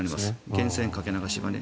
源泉かけ流しはね。